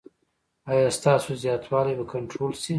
ایا ستاسو زیاتوالی به کنټرول شي؟